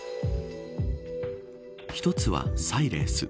一つはサイレース。